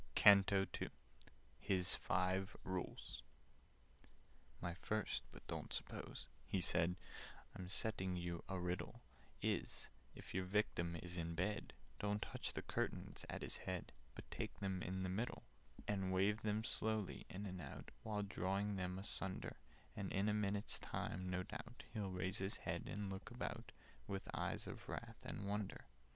[Picture: The Phantom dines] CANTO II Hys Fyve Rules "MY First—but don't suppose," he said, "I'm setting you a riddle— Is—if your Victim be in bed, Don't touch the curtains at his head, But take them in the middle, "And wave them slowly in and out, While drawing them asunder; And in a minute's time, no doubt, He'll raise his head and look about With eyes of wrath and wonder.